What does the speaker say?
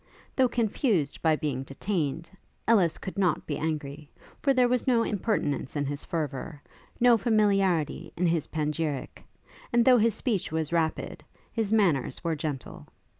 Though confused by being detained, Ellis could not be angry, for there was no impertinence in his fervour, no familiarity in his panegyric; and though his speech was rapid, his manners were gentle.